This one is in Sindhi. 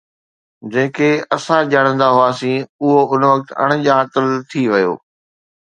جنهن کي اسين ڄاڻندا هئاسين، اهو ان وقت اڻڄاتل ٿي ويو